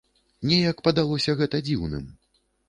Неяк падалося гэта дзіўным.